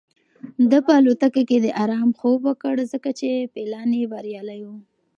ده په الوتکه کې د ارام خوب وکړ ځکه چې پلان یې بریالی و.